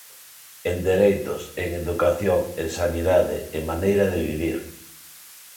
En dereitos, en educación, en sanidade, en maneira de vivir.